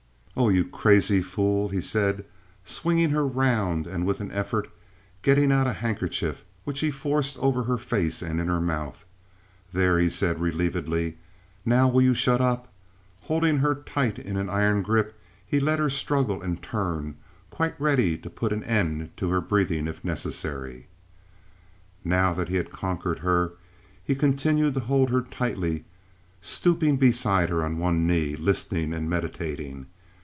"Oh, you crazy fool!" he said, swinging her round, and with an effort getting out a handkerchief, which he forced over her face and in her mouth. "There," he said, relievedly, "now will you shut up?" holding her tight in an iron grip, he let her struggle and turn, quite ready to put an end to her breathing if necessary. Now that he had conquered her, he continued to hold her tightly, stooping beside her on one knee, listening and meditating.